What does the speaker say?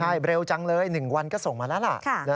ใช่เร็วจังเลย๑วันก็ส่งมาแล้วล่ะ